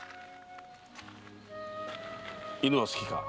犬は好きか？